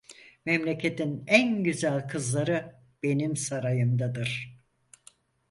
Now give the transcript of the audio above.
Memleketin en güzel kızları benim sarayımdadır.